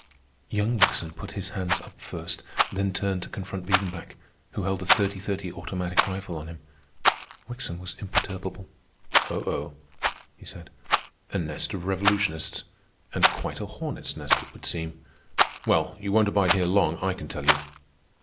Young Wickson put his hands up first, then turned to confront Biedenbach, who held a thirty thirty automatic rifle on him. Wickson was imperturbable. "Oh, ho," he said, "a nest of revolutionists—and quite a hornet's nest it would seem. Well, you won't abide here long, I can tell you."